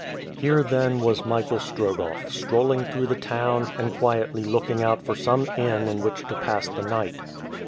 Here, then, was Michael Strogoff, strolling through the town and quietly looking out for some inn in which to pass the night.